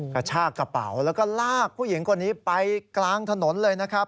กระชากกระเป๋าแล้วก็ลากผู้หญิงคนนี้ไปกลางถนนเลยนะครับ